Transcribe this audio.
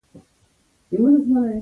ښوونځی د بحث زمینه برابروي